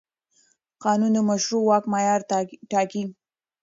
قانون د مشروع واک معیار ټاکي.